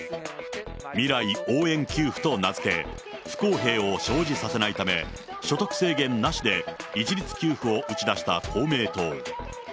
未来応援給付と名付け、不公平を生じさせないため、所得制限なしで、一律給付を打ち出した公明党。